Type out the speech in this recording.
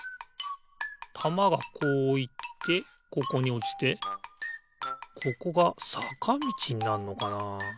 たまがこういってここにおちてここがさかみちになんのかな？